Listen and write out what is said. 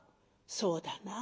「そうだな。